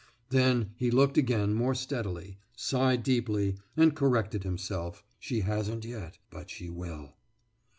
« Then he looked again more steadily, sighed deeply, and corrected himself: »She hasn't yet, but she will.